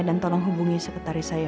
dan tolong hubungi sepetari saya